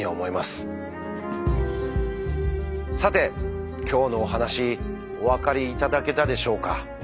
さて今日のお話お分かりいただけたでしょうか？